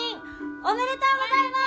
おめでとうございます！